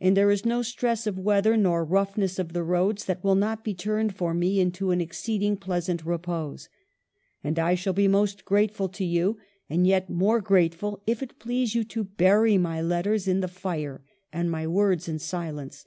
And there is no stress of weather nor roughness of the roads that will not be turned for me into an exceeding pleasant repose. And I shall be most grateful to you ; and yet more grateful if it please you to bury my letters in the fire and my words in silence.